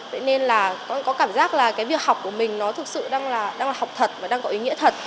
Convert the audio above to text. vậy nên là con có cảm giác là cái việc học của mình nó thực sự đang là đang là học thật và đang có ý nghĩa thật